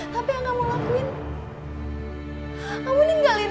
tapi yang kamu lakukan itu bukan untuk mencari aku